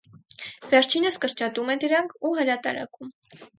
Վերջինս կրճատում է դրանք ու հրատարակում։